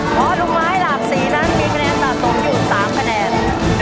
เพราะลูกไม้หลากสีนั้นมีคะแนนสะสมอยู่๓คะแนน